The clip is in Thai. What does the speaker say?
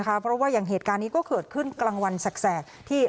เพราะว่าอย่างเหตุการณ์นี้ก็เกิดขึ้นกลางวันแสกที่